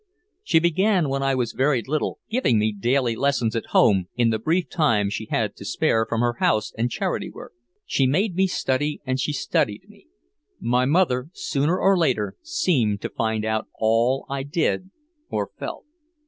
She began when I was very little giving me daily lessons at home in the brief time she had to spare from her house and charity work. She made me study and she studied me. My mother, sooner or later, seemed to find out all I did or felt.